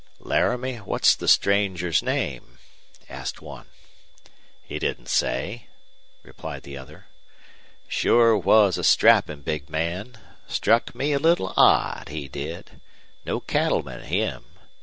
"Laramie, what's the stranger's name?" asked one. "He didn't say," replied the other. "Sure was a strappin' big man. Struck me a little odd, he did. No cattleman, him.